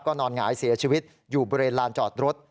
นอนหงายเสียชีวิตอยู่บริเวณลานจอดรถ